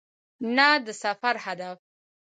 نه د سفر هدف .